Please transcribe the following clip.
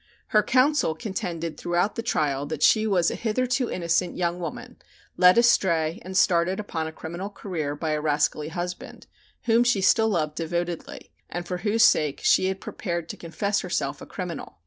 Her counsel contended throughout the trial that she was a hitherto innocent young woman led astray and started upon a criminal career by a rascally husband, whom she still loved devotedly and for whose sake she had prepared to confess herself a criminal.